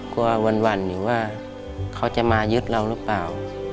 กลัววันวันหรือว่าเขาจะมายึดเราหรือเปล่า